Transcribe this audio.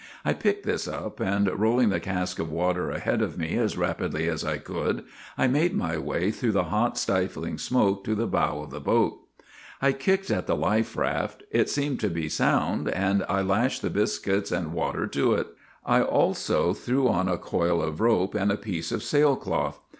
I picked this up, and rolling the cask of water ahead of me as rapidly as I could, I made my way through the hot, stifling smoke to the bow of the boat. ' I kicked at the life raft; it seemed to be sound, and I lashed the biscuits and water to it. I also threw on a coil of rope and a piece of sail cloth.